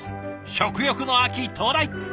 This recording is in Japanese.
食欲の秋到来。